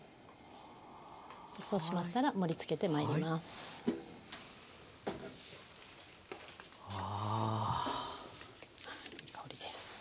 そうしましたら盛りつけてまいります。